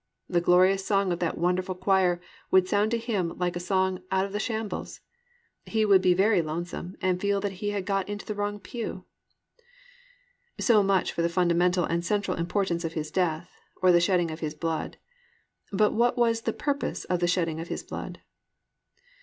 The glorious song of that wondrous choir would sound to him like a song "of the shambles." He would be very lonesome and feel that he had got into the wrong pew. II. THE PURPOSE OF THE DEATH OF JESUS CHRIST So much for the fundamental and central importance of His death, or of the shedding of His blood. But what was the purpose of the shedding of His blood?